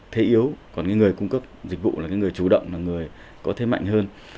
thế yếu còn cái người cung cấp dịch vụ là cái người chủ động là người có thế mạnh hơn